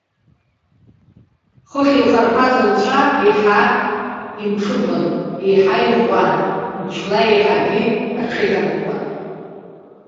Хыхь илхарԥаз лцәа еиҳа имҽыӷын, еиҳа иӷәӷәан мчла, еиҳагьы аҽеиҭанакуан.